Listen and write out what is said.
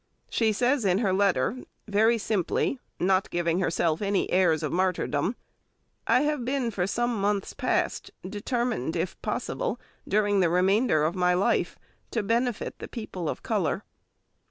She says in her letter, very simply, not giving herself any airs of martyrdom, "I have been for some months past determined, if possible, during the remainder of my life to benefit the people of colour."